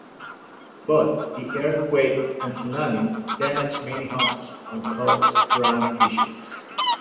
Both the earthquake and tsunami damaged many homes and caused ground fissures.